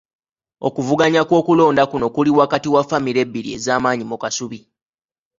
Okuvuganya kw'okulonda kuno kuli wakati wa famire ebbiri ez'amaanyi mu Kasubi.